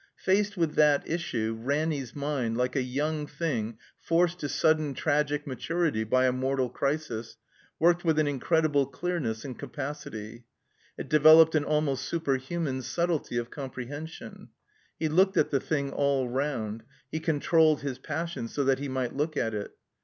Faced with that issue, Ranny's mind, like a young thing forced to sudden tragic maturity by a mortal crisis, worked with an incredible deamess and capa city. It developed an almost superhuman subtlety of comprehension. He looked at the thing all round; he controlled his passion so that he might look at it.